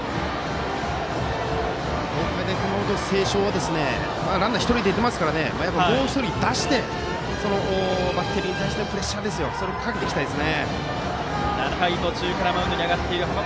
東海大熊本星翔をランナーが１人出ていますからもう１人出してバッテリーに対してプレッシャーをかけたいです。